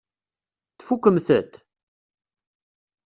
Tfukkemt-t?